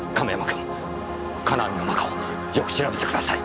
君金網の中をよく調べてください！